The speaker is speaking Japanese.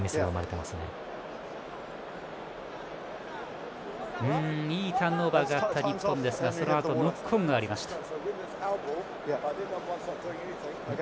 いいターンオーバーがあった日本ですがそのあとノックオンがありました。